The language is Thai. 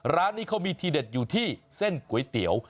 ร้านนี้เขามีทีเด็ดอยู่ที่เส้นก๋วยเตี๋ยว